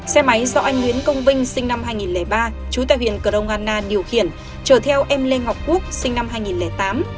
xe máy do anh nguyễn công vinh sinh năm hai nghìn ba trú tại huyện cờ rông anna điều khiển trở theo em lê ngọc quốc sinh năm hai nghìn tám